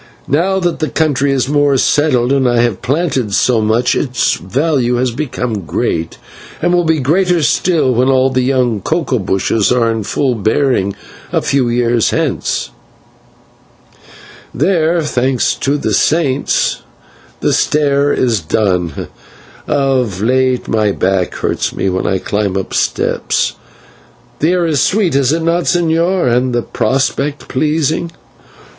Now that the country is more settled, and I have planted so much, its value has become great, and will be greater still when all the young cocoa bushes are in full bearing a few years hence. "There, thanks be to the Saints, the stair is done of late my back hurts me when I climb up steps. The air is sweet, is it not, señor, and the prospect pleasing?